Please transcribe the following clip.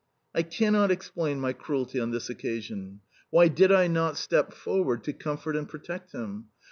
I cannot explain my cruelty on this occasion. Why did I not step forward to comfort and protect him?